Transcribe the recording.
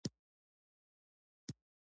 ما وویل فی الحال بل شي ته ضرورت نه شته.